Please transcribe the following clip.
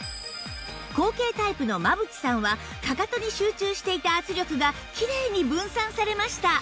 後傾タイプの真渕さんはかかとに集中していた圧力がきれいに分散されました